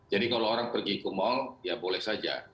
jadi kalau orang pergi ke mal ya boleh saja